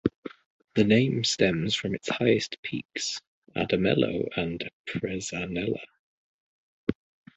The name stems from its highest peaks: Adamello and Presanella.